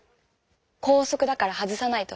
校則だから外さないと。